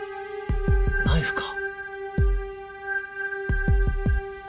ナイフか？